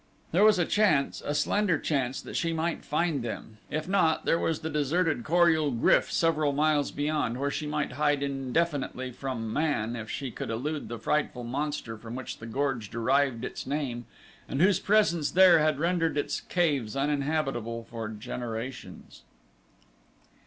There was a chance, a slender chance, that she might find them; if not there was the deserted Kor ul GRYF several miles beyond, where she might hide indefinitely from man if she could elude the frightful monster from which the gorge derived its name and whose presence there had rendered its caves uninhabitable for generations.